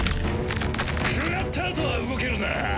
くらったあとは動けるなぁ。